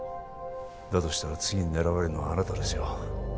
だとしたら次に狙われるのはあなたですよ